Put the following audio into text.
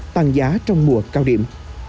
tăng giá trong mùa cao điểm